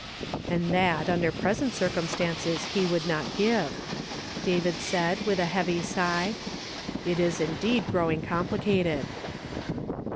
" And that, under present circumstances he would not give," David said with a heavy sigh. "It is indeed growing complicated